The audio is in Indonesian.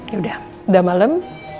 yaudah udah malam